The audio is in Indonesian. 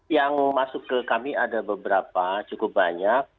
yang masuk ke kami ada beberapa cukup banyak